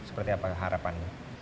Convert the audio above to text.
seperti apa harapan